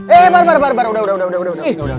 eh baru baru baru udah udah udah